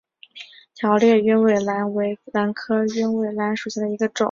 条裂鸢尾兰为兰科鸢尾兰属下的一个种。